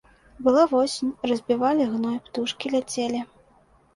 Была восень, разбівалі гной, птушкі ляцелі.